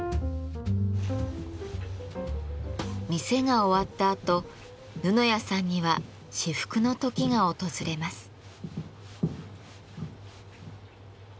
店が終わったあと布谷さんには至福の時が訪れます。